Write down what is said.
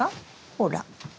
ほら。